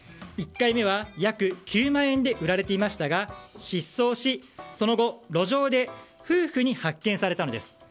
１回目は約９万円で売られていましたが失踪しその後、路上で夫婦に発見されたのです。